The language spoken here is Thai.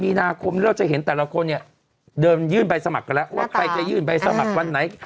มีนาคมเราจะเห็นแต่ละคนเนี่ยเดินยื่นใบสมัครกันแล้วว่าใครจะยื่นใบสมัครวันไหน